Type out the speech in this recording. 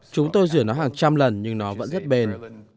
chúng tôi rửa nó hàng trăm lần nhưng nó vẫn rất bền